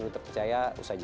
oh kita akan